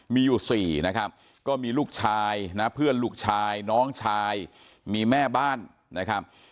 มีอยู่๔นะครับก็มีลูกชายนะเพื่อนลูกชายน้องชายมีแม่บ้านนะครับ